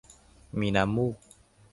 มีน้ำมูก